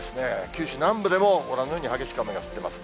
九州南部でも、ご覧のように激しく雨が降っています。